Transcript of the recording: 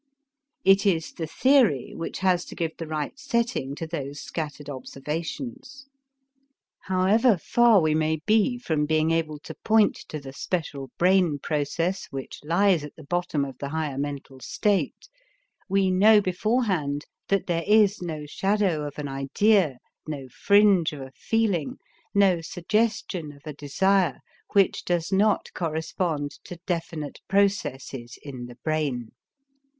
It is the theory which has to give the right setting to those scattered observations. However far we may be from being able to point to the special brain process which lies at the bottom of the higher mental state, we know beforehand that there is no shadow of an idea, no fringe of a feeling, no suggestion of a desire which does not correspond to definite processes in the brain.